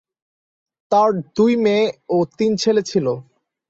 তাঁর দুই মেয়ে ও তিন ছেলে ছিল।